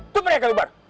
tunggu ya kali bar